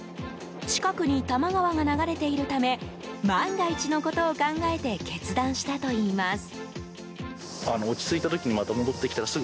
近くに多摩川が流れているため万が一のことを考えて決断したといいます。